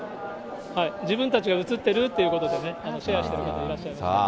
自分たちが映ってるということでね、シェアしてる方いらっしゃいました。